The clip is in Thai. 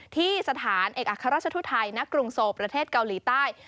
ที่สถานเอกอัครราชทุทัยณกรุงโซประเทศเกาหลีใต้